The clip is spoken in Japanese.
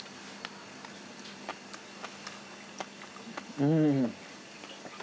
うん。